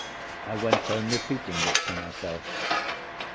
I went home, repeating it to myself.